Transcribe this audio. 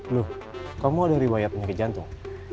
loh kamu ada riba yang punya jantung